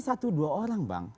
satu dua orang bang